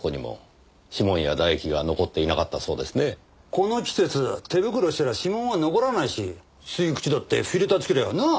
この季節手袋してれば指紋は残らないし吸い口だってフィルターつけりゃなあ？